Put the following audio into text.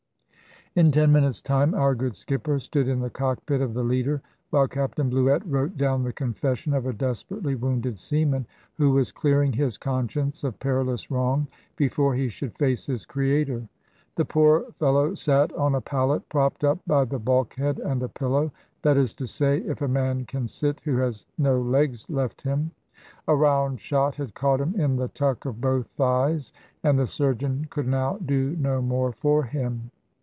In ten minutes' time our good skipper stood in the cockpit of the Leader, while Captain Bluett wrote down the confession of a desperately wounded seaman, who was clearing his conscience of perilous wrong before he should face his Creator. The poor fellow sate on a pallet propped up by the bulkhead and a pillow; that is to say, if a man can sit who has no legs left him. A round shot had caught him in the tuck of both thighs, and the surgeon could now do no more for him.